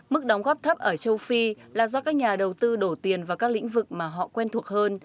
mức đóng góp thấp ở châu phi là do các nhà đầu tư đổ tiền vào các lĩnh vực mà họ quen thuộc hơn